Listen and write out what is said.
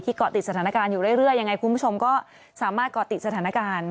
เกาะติดสถานการณ์อยู่เรื่อยยังไงคุณผู้ชมก็สามารถเกาะติดสถานการณ์